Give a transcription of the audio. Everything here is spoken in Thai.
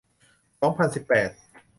สองพันสิบแปด